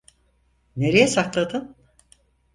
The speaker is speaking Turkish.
Nereye sakladın?